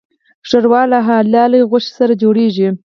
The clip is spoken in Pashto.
ښوروا له حلالې غوښې سره جوړیږي.